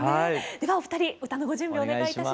ではお二人歌のご準備お願いいたします。